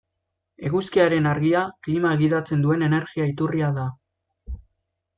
Eguzkiaren argia, klima gidatzen duen energia-iturria da.